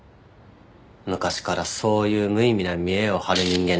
昔からそういう無意味な見えを張る人間でした。